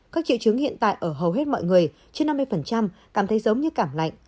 các triệu chứng hiện tại ở hầu hết mọi người trên năm mươi cảm thấy giống như cảm lạnh